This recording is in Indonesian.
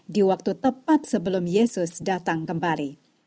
di waktu tepat sebelum yesus datang kembali